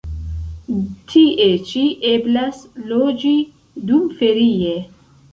Tie ĉi eblas loĝi dumferie.